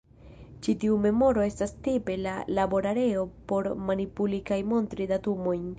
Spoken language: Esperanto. Ĉi tiu memoro estas tipe la labor-areo por manipuli kaj montri datumojn.